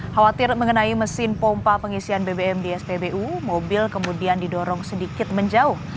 khawatir mengenai mesin pompa pengisian bbm di spbu mobil kemudian didorong sedikit menjauh